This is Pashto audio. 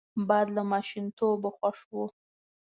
باد له ماشومتوبه خوښ وو